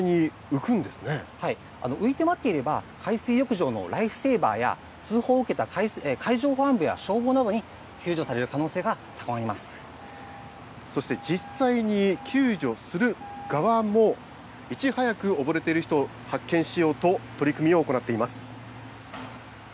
浮いて待っていれば、海水浴場のライフセーバーや、通報を受けた海上保安部や消防などに救助そして実際に救助する側も、いち早く溺れている人を発見しようと、取り組みを行っています。